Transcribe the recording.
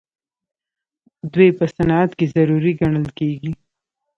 دوی په صنعت کې ضروري ګڼل کیږي.